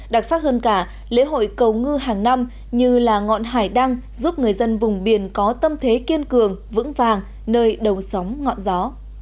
đặc sắc hơn cả lễ hội cầu ngư hàng năm như là ngọn hải đăng giúp người dân vùng biển có tâm thế kiên cường vững vàng nơi đầu sóng ngọn gió